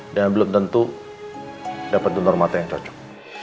dan belum tentu dapet donor mata yang cocok